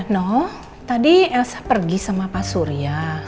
no tadi elsa pergi sama pak surya